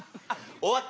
終わった？